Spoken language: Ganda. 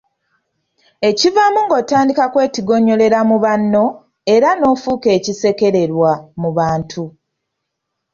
Ekivaamu ng'otandika kwetigoonyolera mu banno, era n'ofuuka ekisekererwa mu bantu.